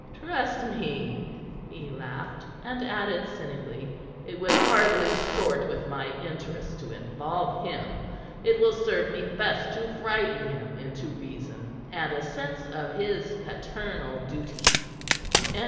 "Trust me," he laughed, and added cynically: "It would hardly sort with my interests to involve him. It will serve me best to frighten him into reason and a sense of his paternal duty." CHAPTER IX.